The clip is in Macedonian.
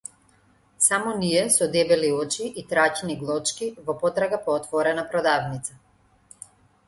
Само ние со дебели очи и траќни глочки во потрага по отворена продавница.